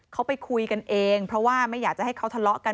เขาไปคุยกันเองเพราะว่าไม่อยากจะให้เขาทะเลาะกัน